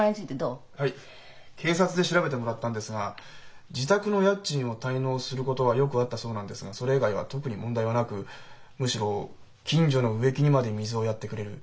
警察で調べてもらったんですが自宅の家賃を滞納することはよくあったそうなんですがそれ以外は特に問題はなくむしろ「近所の植木にまで水をやってくれる」